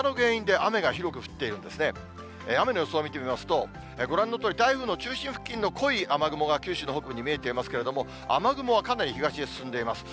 雨の予想を見てみますと、ご覧のとおり、台風の中心付近の濃い雨雲が九州の北部に見えていますけれども、雨雲はかなり東へ進んでいます。